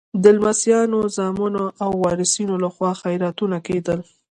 د لمسیانو، زامنو او وارثینو لخوا خیراتونه کېدل.